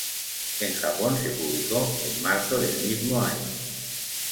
En Japón se publicó en marzo del mismo año.